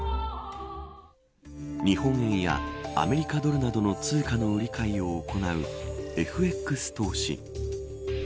日本円やアメリカドルなどの通貨の売り買いを行うＦＸ投資。